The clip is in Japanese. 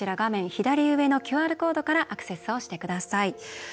左上のＱＲコードからアクセスをしてください。